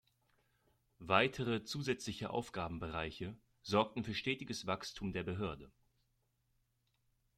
Weitere zusätzliche Aufgabenbereiche sorgten für stetiges Wachstum der Behörde.